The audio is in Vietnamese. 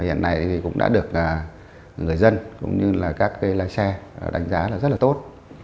hiện nay thì cũng đã được người dân cũng như là các lái xe đánh giá là rất là tốt